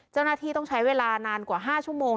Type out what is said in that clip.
เจ้าหน้าที่ต้องใช้เวลานานกว่า๕ชั่วโมง